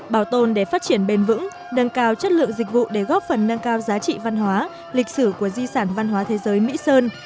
bảo tồn để phát triển bền vững nâng cao chất lượng dịch vụ để góp phần nâng cao giá trị văn hóa lịch sử của di sản văn hóa thế giới mỹ sơn